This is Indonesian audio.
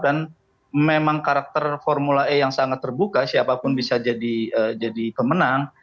dan memang karakter formula e yang sangat terbuka siapapun bisa jadi pemenang